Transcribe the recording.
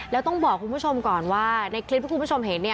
แล้วต้องบอกคุณผู้ชมก่อนว่าในคลิปที่คุณผู้ชมเห็น